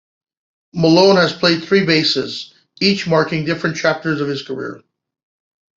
Malone has played three basses, each marking different chapters of his career.